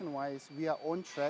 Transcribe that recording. kita sedang bergerak